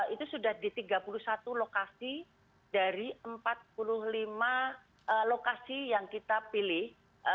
itu sudah di tiga puluh satu lokasi dari empat puluh lima lokasi yang kita pilih